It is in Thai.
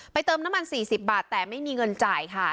เติมน้ำมัน๔๐บาทแต่ไม่มีเงินจ่ายค่ะ